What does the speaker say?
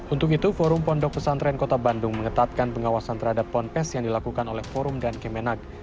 untuk itu forum pondok pesantren kota bandung mengetatkan pengawasan terhadap ponpes yang dilakukan oleh forum dan kemenak